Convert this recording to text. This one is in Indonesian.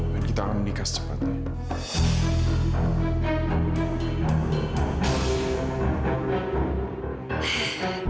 dan kita akan menikah secepatnya